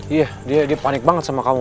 iya dia panik sekali dengan kamu